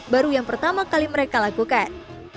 baru yang pertama kali mereka lakukan